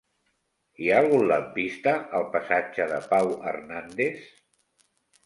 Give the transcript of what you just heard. Hi ha algun lampista al passatge de Pau Hernández?